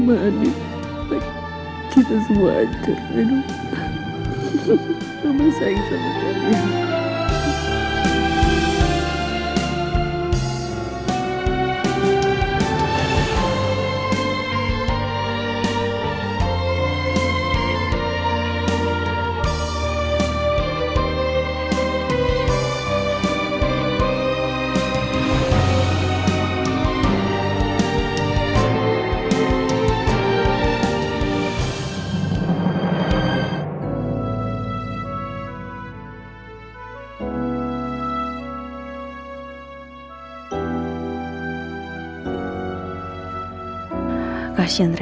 maidah tak mau bergabung